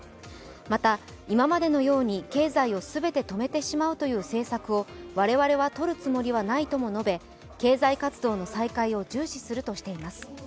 また、今までのように経済を全て止めてしまうという政策を我々はとるつもりはないとも述べ経済活動の再開を重視するとしています。